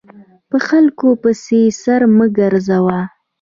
په خلکو پسې سر مه ګرځوه !